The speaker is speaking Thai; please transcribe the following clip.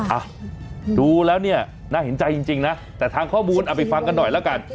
อ่ะดูแล้วเนี่ยน่าเห็นใจจริงนะแต่ทางข้อมูลเอาไปฟังกันหน่อยแล้วกัน